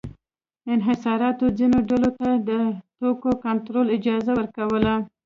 انحصاراتو ځینو ډلو ته د توکو کنټرول اجازه ورکوله.